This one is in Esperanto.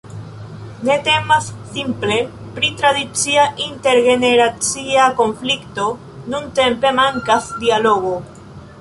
Ne temas simple pri tradicia intergeneracia konflikto: nuntempe mankas dialogo.